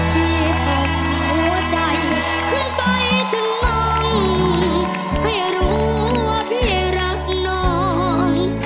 ที่สุดหัวใจขึ้นไปถึงห้องให้รู้ว่าพี่รักน้อง